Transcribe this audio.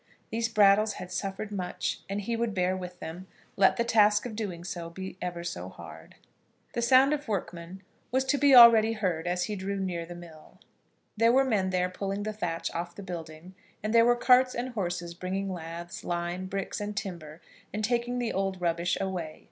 These Brattles had suffered much, and he would bear with them, let the task of doing so be ever so hard. The sound of workmen was to be already heard as he drew near to the mill. There were men there pulling the thatch off the building, and there were carts and horses bringing laths, lime, bricks, and timber, and taking the old rubbish away.